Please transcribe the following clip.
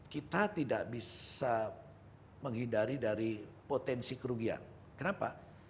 kita tidak bisa menghindari dari potensi kerugian kenapa